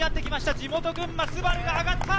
地元・群馬・ＳＵＢＡＲＵが上がった。